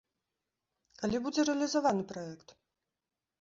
Калі будзе рэалізаваны праект?